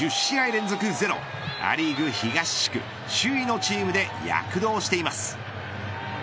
連続ゼロア・リーグ東地区首位のチームで躍動しています。